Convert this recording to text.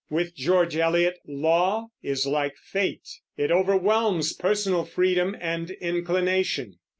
With George Eliot law is like fate; it overwhelms personal freedom and inclination.